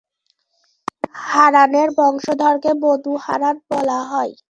হারানের বংশধরকে Banu Haran বলা হয়।